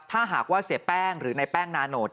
ถ้าหากว่าเสียแป้งหรือในแป้งนาโนต